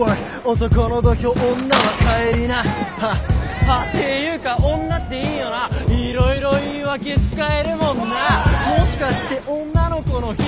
男の土俵女は帰りなてゆーか女っていいよな色々言い訳つかえるもんなもしかして女の子の日？